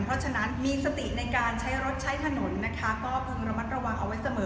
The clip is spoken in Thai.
เพราะฉะนั้นมีสติในการใช้รถใช้ถนนนะคะก็พึงระมัดระวังเอาไว้เสมอ